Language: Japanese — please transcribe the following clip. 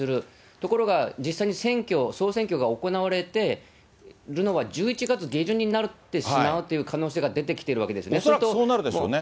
ところが、実際に選挙、総選挙が行われてるのは、１１月下旬になってしまうという可能性恐らくそうなるでしょうね。